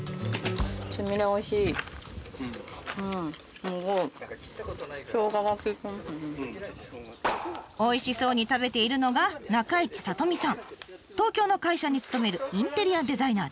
すごいおいしそうに食べているのが東京の会社に勤めるインテリアデザイナーです。